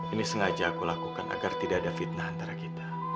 ini sengaja aku lakukan agar tidak ada fitnah antara kita